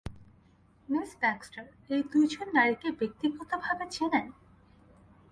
Miss Baxter, এই দুইজন নারীকে ব্যক্তিগতভাবে চেনেন?